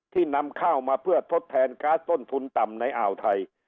นำข้าวมาเพื่อทดแทนก๊าซต้นทุนต่ำในอ่าวไทย